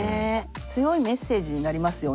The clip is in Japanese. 強いメッセージになりますよね。